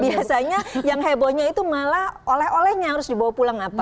biasanya yang hebohnya itu malah oleh olehnya harus dibawa pulang apa